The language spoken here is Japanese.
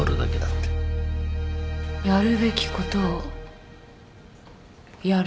やるべきことをやる？